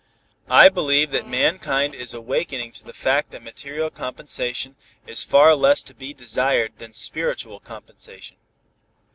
I believe that mankind is awakening to the fact that material compensation is far less to be desired than spiritual compensation.